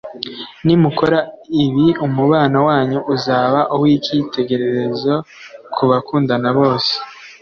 nimukora ibi umubano wanyu uzaba uw’ikitegererezo ku bakundana bose